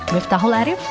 wiftahul arif gerak